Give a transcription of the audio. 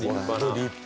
立派。